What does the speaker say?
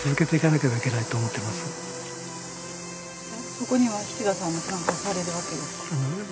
そこには七田さんも参加されるわけですか？